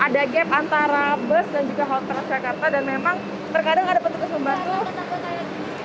ada gap antara bus dan juga halte transjakarta dan memang terkadang ada petugas membantu